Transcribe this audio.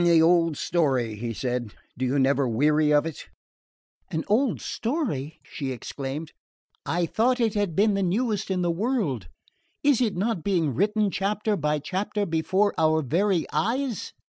"The old story," he said. "Do you never weary of it?" "An old story?" she exclaimed. "I thought it had been the newest in the world. Is it not being written, chapter by chapter, before our very eyes?"